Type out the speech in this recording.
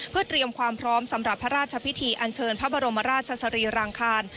เพื่อเตรียมความพร้อมสำหรับพระราชพิธีอันเชิญพระบรมราชสรีรางคาร